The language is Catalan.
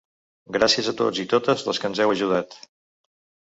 Gràcies a tots i totes les que ens heu ajudat.